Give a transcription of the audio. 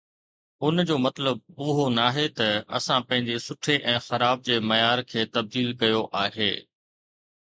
ان جو مطلب اهو ناهي ته اسان پنهنجي سٺي ۽ خراب جي معيار کي تبديل ڪيو آهي.